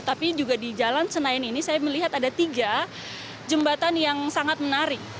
tapi juga di jalan senayan ini saya melihat ada tiga jembatan yang sangat menarik